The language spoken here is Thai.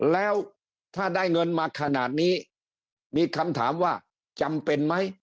แล้วถ้าได้เงินมาขนาดนี้มีคำถามว่าจำเป็นไหม